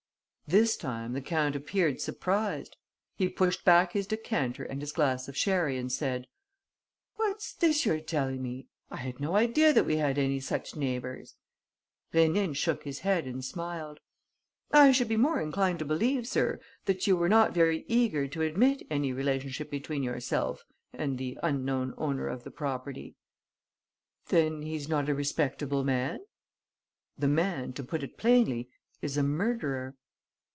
This time the count appeared surprised. He pushed back his decanter and his glass of sherry and said: "What's this you're telling me? I had no idea that we had any such neighbours." Rénine shook his head and smiled: "I should be more inclined to believe, sir, that you were not very eager to admit any relationship between yourself ... and the unknown owner of the property." "Then he's not a respectable man?" "The man, to put it plainly, is a murderer."